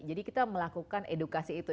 jadi kita melakukan edukasi itu